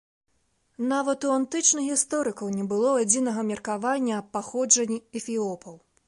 Нават у антычных гісторыкаў не было адзінага меркавання аб паходжанні эфіопаў.